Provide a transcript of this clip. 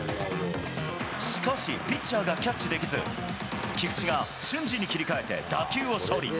しかし、ピッチャーがキャッチできず、菊池が瞬時に切り替えて打球を処理。